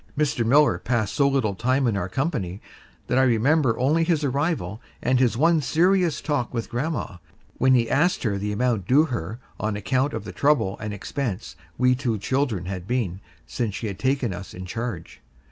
Mr. Miller passed so little time in our company that I remember only his arrival and his one serious talk with grandma, when he asked her the amount due her on account of the trouble and expense we two children had been since she had taken us in charge.